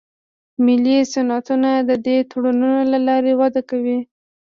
ملي صنعتونه د دې تړونونو له لارې وده کوي